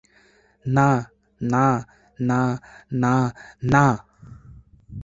না না না না না!